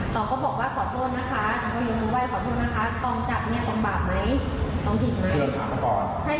ตองก็บอกว่าขอโทษนะคะตองยืมมือไหว้ขอโทษนะคะตองจับเนี่ยต้องบาปไหมต้องผิดไหม